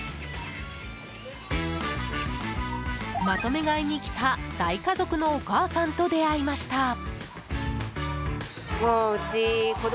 まとめ買いに来た大家族のお母さんと出会いました。